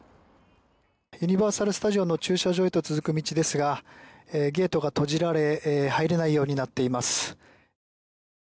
ユニバーサル・スタジオの駐車場へと続く道ですが、ゲートが閉じられ入れないようになっています。